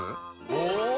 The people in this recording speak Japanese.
お！